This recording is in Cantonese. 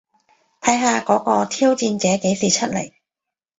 睇下嗰個挑撥者幾時出嚟